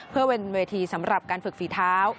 เพื่อเป็นเวทีสำหรับการฝึกฝีเท้า